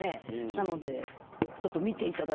なのでちょっと見ていただいて。